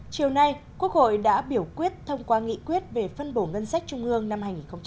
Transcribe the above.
chiều nay quốc hội đã biểu quyết thông qua nghị quyết về phân bổ ngân sách trung ương năm hai nghìn hai mươi